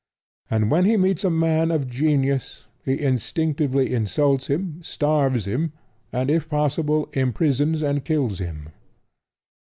And when he meets a man of genius, he instinctively insults him, starves him, and, if possible, imprisons and kills him.